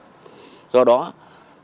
thì không được tập hợp